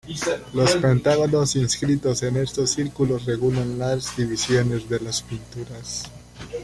Los pentágonos inscritos en estos círculos regulan las divisiones de las pinturas.